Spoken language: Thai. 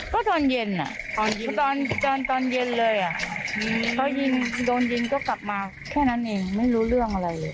ก็ตอนเย็นตอนเย็นเลยเขายิงโดนยิงก็กลับมาแค่นั้นเองไม่รู้เรื่องอะไรเลย